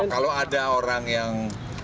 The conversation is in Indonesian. kalau ada orang yang